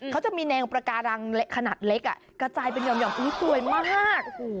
เขาจะมีแนวประการังขนาดเล็กกระจายเป็นห่อมสวยมาก